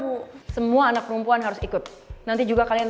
ayo padahal semuanya kan gara gara arin